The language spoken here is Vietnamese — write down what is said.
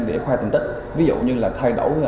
để khoa tình tích ví dụ như là thay đổi